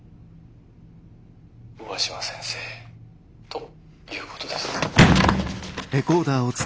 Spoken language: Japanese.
上嶋先生ということです」。